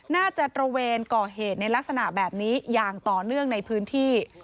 ตระเวนก่อเหตุในลักษณะแบบนี้อย่างต่อเนื่องในพื้นที่